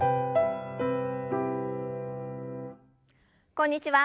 こんにちは。